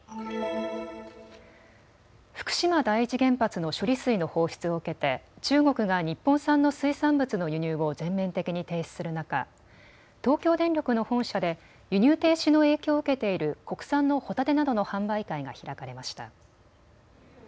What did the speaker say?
福島第一原発の処理水の放出を受けて中国が日本産の水産物の輸入を全面的に停止する中、東京電力の本社で輸入停止の影響を受けている国産のホタテなどの販売会が開かれました。